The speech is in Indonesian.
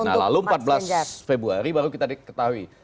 nah lalu empat belas februari baru kita diketahui